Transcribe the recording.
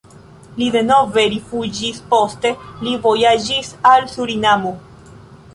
Li denove rifuĝis, poste li vojaĝis al Surinamo.